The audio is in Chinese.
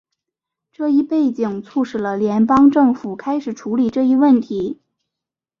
这一背景促使了联邦政府开始处理这一问题。